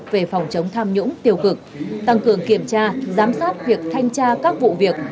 về phòng chống tham nhũng tiêu cực tăng cường kiểm tra giám sát việc thanh tra các vụ việc